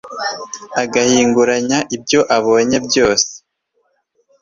agahinguranya ibyo abonye byose